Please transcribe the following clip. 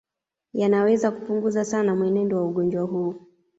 Yanaweza kupunguza sana mwenendo wa ugonjwa huu